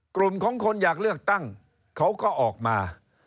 กลุ่มของคนอยากเลือกตั้งเขาก็ออกมา